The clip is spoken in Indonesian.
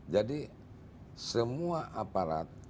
jadi semua aparat